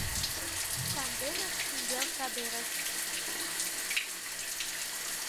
Санденак шӱмбел садерыш